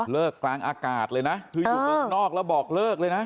กลางอากาศเลยนะคืออยู่เมืองนอกแล้วบอกเลิกเลยนะ